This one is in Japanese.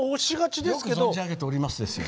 よく存じ上げておりますですよ。